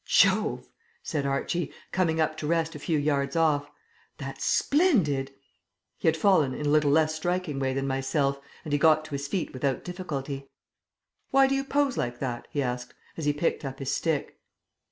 "Jove," said Archie, coming to rest a few yards off, "that's splendid!" He had fallen in a less striking way than myself, and he got to his feet without difficulty. "Why do you pose like that?" he asked, as he picked up his stick.